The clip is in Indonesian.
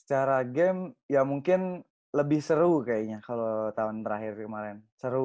secara game ya mungkin lebih seru kayaknya kalau tahun terakhir kemarin seru